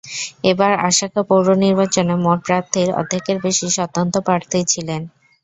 এবার আসাকা পৌর নির্বাচনে মোট প্রার্থীর অর্ধেকের বেশি স্বতন্ত্র প্রার্থী ছিলেন।